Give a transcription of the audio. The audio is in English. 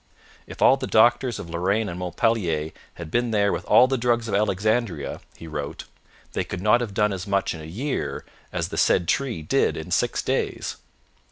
'If all the doctors of Lorraine and Montpellier had been there with all the drugs of Alexandria,' he wrote, 'they could not have done as much in a year as the said tree did in six days.'